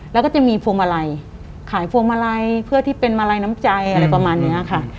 แล้วก็จะมีพวงมาลัยขายพวงมาลัยเพื่อที่เป็นมาลัยน้ำใจอะไรประมาณนี้ค่ะ